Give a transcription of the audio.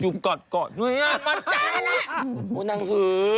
เห้ยมันจับกันนะโอ้โฮนั่งหือ